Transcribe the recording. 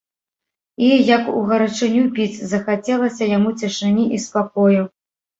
І, як у гарачыню піць, захацелася яму цішыні і спакою.